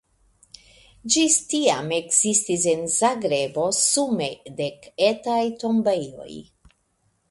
Ĝis tiam ekzistis en Zagrebo sume dek etaj tombejoj.